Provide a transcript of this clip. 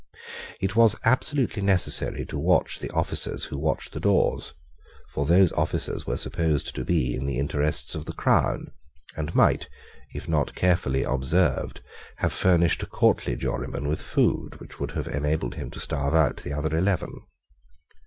It was absolutely necessary to watch the officers who watched the doors; for those officers were supposed to be in the interest of the crown, and might, if not carefully observed, have furnished a courtly juryman with food, which would have enabled him to starve out the other eleven.